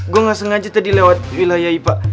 gue gak sengaja tadi lewat wilayah ipa